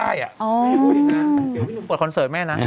เดี๋ยวพี่หนุ่มเปิดคอนเสิร์ตแม่นะ